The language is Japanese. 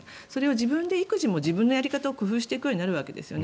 それは育児も自分のやり方で工夫していくようになるわけですよね。